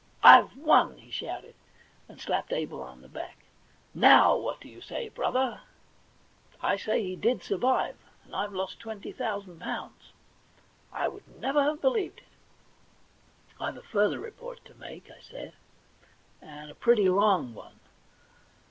* I've won !' he shouted, and slapped Abel on the back. * Now what do you say, brother ?'* I say he did survive, and I've lost twenty thousand pounds. I never would have believed it.' * I've a further report to make,' I said, * and a pretty long one.